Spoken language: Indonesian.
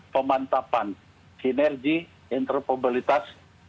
pemantapan sinergi interpabilitas